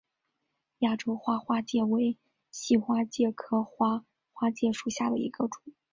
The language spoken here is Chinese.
亚洲花花介为细花介科花花介属下的一个种。